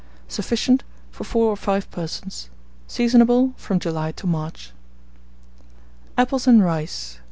Sufficient for 4 or 5 persons. Seasonable from July to March. APPLES AND RICE.